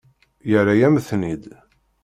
Yerra-yam-ten-id.